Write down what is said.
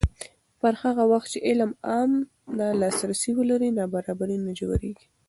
پر هغه وخت چې علم عام لاسرسی ولري، نابرابري نه ژورېږي.